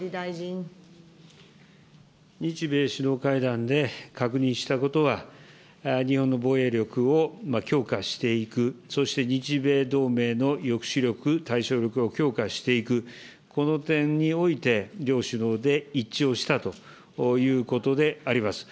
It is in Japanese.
日米首脳会談で確認したことは、日本の防衛力を強化していく、そして日米同盟の抑止力、対処力を強化していく、この点において、両首脳で一致をしたということであります。